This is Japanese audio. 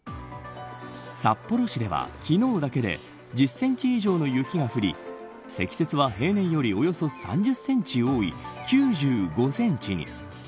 札幌市では、昨日だけで１０センチ以上の雪が降り積雪は平年よりおよそ３０センチ多い９５センチに。